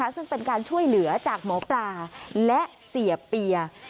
ซึ่งเป็นการช่วยเหลือจากหมอปลาและเสียเปีย